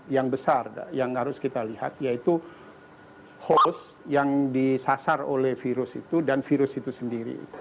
yang besar yang harus kita lihat yaitu host yang disasar oleh virus itu dan virus itu sendiri